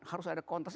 harus ada kontras